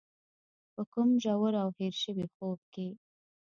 په کوم ژور او هېر شوي خوب کې.